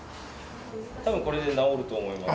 多分これで直ると思います。